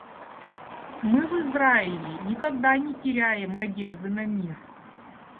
Мы в Израиле никогда не теряем надежды на мир.